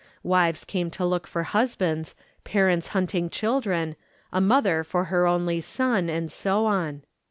Wives came to look for husbands, parents hunting children, a mother for her only son, and so on.